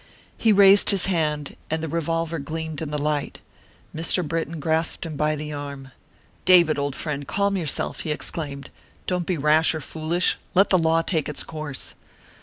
He raised his hand and the revolver gleamed in the light. Mr. Britton grasped him by the arm. "David, old friend, calm yourself!" he exclaimed. "Don't be rash or foolish; let the law take its course."